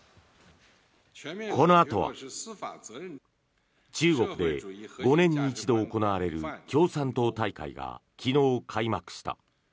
このあとは中国で５年に一度行われる共産党大会が昨日開幕した。